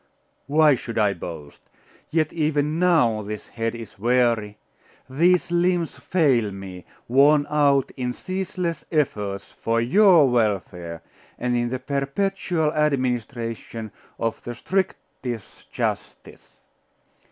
Why should I boast? yet even now this head is weary, these limbs fail me, worn out in ceaseless efforts for your welfare, and in the perpetual administration of the strictest justice.